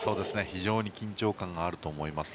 非常に緊張感があると思います。